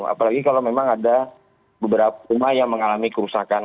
apalagi kalau memang ada beberapa rumah yang mengalami kerusakan